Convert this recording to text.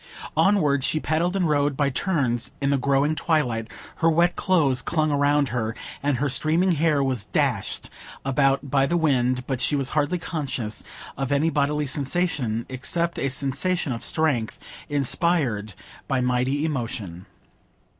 Onward she paddled and rowed by turns in the growing twilight; her wet clothes clung round her, and her streaming hair was dashed about by the wind, but she was hardly conscious of any bodily sensations,—except a sensation of strength, inspired by mighty emotion.